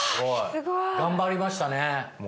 頑張りましたね。